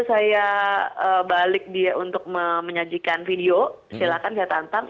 saya balik dia untuk menyajikan video silakan saya tantang